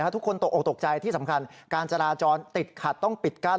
ทุกคนตกออกตกใจที่สำคัญการจราจรติดขัดต้องปิดกั้น